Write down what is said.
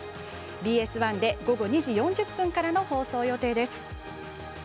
ＢＳ１で午後２時４０分からの放送予定です。